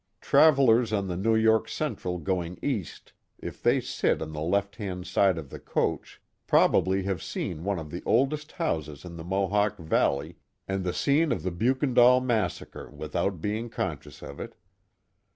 Travellers on the New York Central going east, if they sit on the left hand side of the coach, probably have seen one of the oldest houses in the Mohawk Valley and the scene of the Beukendaal massacre without being conscious of it.